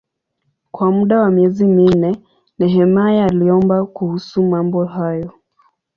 Kwa muda wa miezi minne Nehemia aliomba kuhusu mambo hayo.